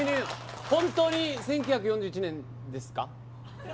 本当に１９４１年ですか？